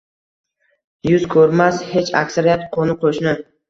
Yuz koʼrmas hech aksariyat qoʼni-qoʼshni.